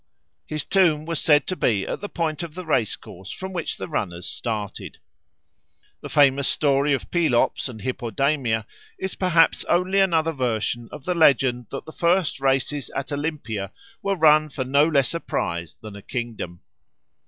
His tomb was said to be at the point of the racecourse from which the runners started. The famous story of Pelops and Hippodamia is perhaps only another version of the legend that the first races at Olympia were run for no less a prize than a kingdom.